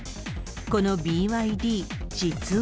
このＢＹＤ、実は。